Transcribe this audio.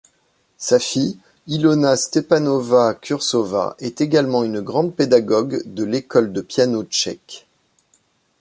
Sa fille, Ilona Štěpánová-Kurzová est également une grande pédagogue de l'école de piano tchèque.